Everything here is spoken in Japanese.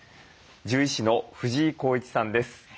獣医師の藤井康一さんです。